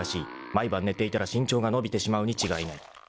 ［毎晩寝ていたら身長が伸びてしまうに違いない］